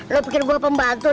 lo pikir gua pembantu